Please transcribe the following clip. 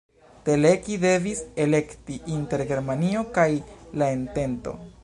Teleki devis elekti inter Germanio kaj la entento.